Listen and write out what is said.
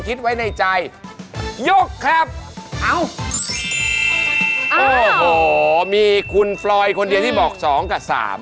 ใครคนเดียวที่บอก๒กับ๓